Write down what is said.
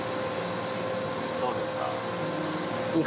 どうですか？